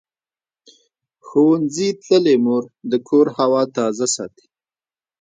ښوونځې تللې مور د کور هوا تازه ساتي.